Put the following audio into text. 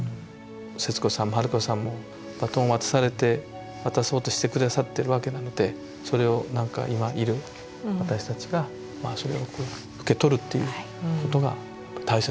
節子さんも春子さんもバトンを渡されて渡そうとして下さってるわけなのでそれをなんか今いる私たちがそれを受け取るっていうことが大切ですよね。